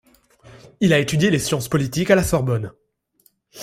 Il a étudié les sciences politiques à la Sorbonne.